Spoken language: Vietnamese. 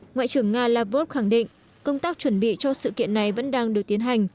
ngoại trưởng nga lavrov khẳng định công tác chuẩn bị cho sự kiện này vẫn đang được tiến hành